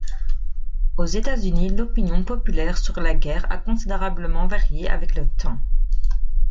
Aux États-Unis, l'opinion populaire sur la guerre a considérablement varié avec le temps.